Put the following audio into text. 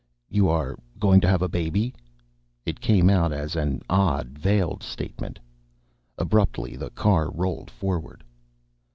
"You are going to have a baby?" It came out as an odd, veiled statement. Abruptly, the car rolled forward.